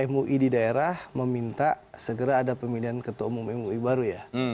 mui di daerah meminta segera ada pemilihan ketua umum mui baru ya